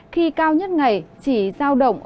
khi cao nhất ngày chỉ giao động